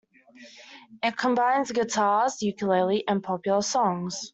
It combines guitars, ukulele, and popular songs.